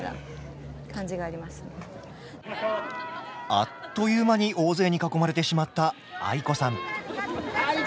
あっという間に大勢に囲まれてしまったａｉｋｏさん。